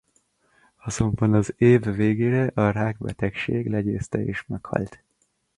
Azonban az év végére a rákbetegség legyőzte és meghalt.